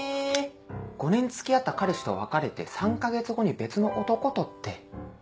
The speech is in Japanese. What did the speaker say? ５年付き合った彼氏と別れて３か月後に別の男とって。